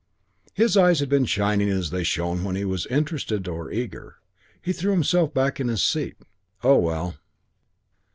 His eyes had been shining as they shone when he was interested or eager. He threw himself back in his seat. "Oh, well!"